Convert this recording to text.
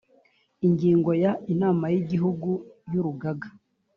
ingingo ya inama y igihugu y urugaga